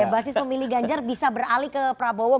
basis pemilih ganjar bisa beralih ke prabowo